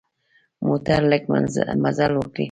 موټر لږ مزل وکړي.